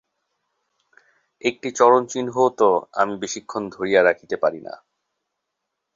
একটি চরণচিহ্নও তো আমি বেশিক্ষণ ধরিয়া রাখিতে পারি না।